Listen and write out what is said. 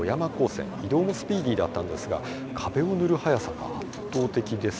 移動もスピーディーだったんですが壁を塗る速さが圧倒的です。